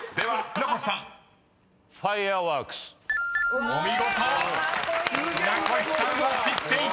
船越さんは知っていた］